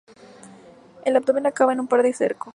El abdomen acaba en un par de cercos.